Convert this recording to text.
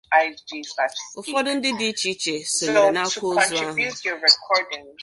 Ụfọdụ ndị iche iche sonyere n'akwaozu ahụ